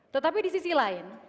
tetapi di sisi lain